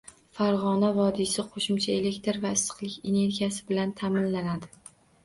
Farg‘ona vodiysi qo‘shimcha elektr va issiqlik energiyasi bilan ta’minlanadi